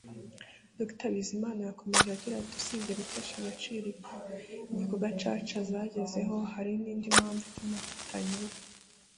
Dr Bizimana yakomeje agira ati “Usibye gutesha agaciro ibyo inkiko gacaca zagezeho hari indi mpamvu ituma tutanyurwa